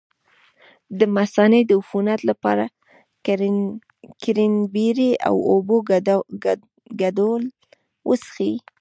د مثانې د عفونت لپاره د کرینبیري او اوبو ګډول وڅښئ